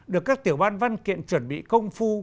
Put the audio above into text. được các tiểu ban văn kiện chuẩn bị công phu